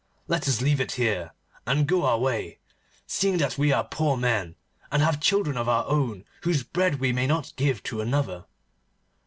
Let us leave it here, and go our way, seeing that we are poor men, and have children of our own whose bread we may not give to another.